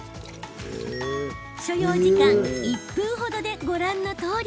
所要時間１分ほどでご覧のとおり。